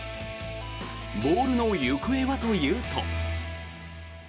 ボールの行方はというと。